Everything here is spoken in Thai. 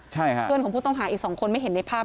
ใช่ค่ะเพื่อนของผู้ต้องหาอีกสองคนไม่เห็นในภาพ